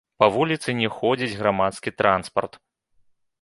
Па вуліцы не ходзіць грамадскі транспарт.